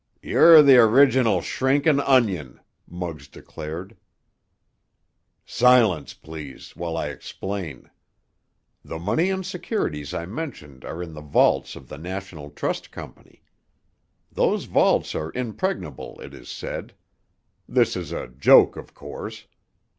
"You're th' original shrinkin' onion!" Muggs declared. "Silence, please, while I explain. The money and securities I mentioned are in the vaults of the National Trust Company. Those vaults are impregnable, it is said. This is a joke, of course.